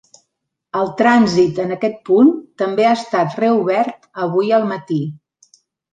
El trànsit en aquest punt també ha estat reobert avui al matí.